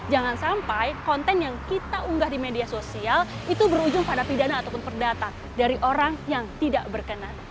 jangan sampai konten yang kita unggah di media sosial itu berujung pada pidana ataupun perdata dari orang yang tidak berkenan